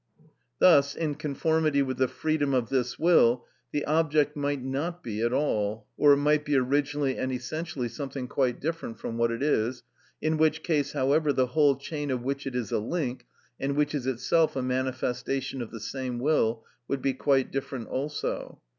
Thus, in conformity with the freedom of this will, the object might not be at all, or it might be originally and essentially something quite different from what it is, in which case, however, the whole chain of which it is a link, and which is itself a manifestation of the same will, would be quite different also.